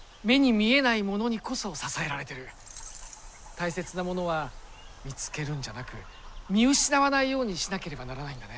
大切なものは見つけるんじゃなく見失わないようにしなければならないんだね。